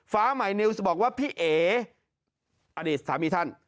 ฟ้าใหม่นิวส์บอกว่าพี่เอ๋อ่ะนี่ถามอีกท่าน